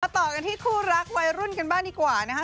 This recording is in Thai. ต่อกันที่คู่รักวัยรุ่นกันบ้างดีกว่านะคะ